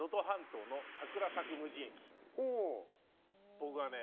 僕はね